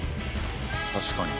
確かに。